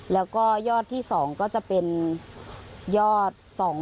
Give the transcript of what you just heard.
แล้วก็ยอดที่๒ก็จะเป็นยอด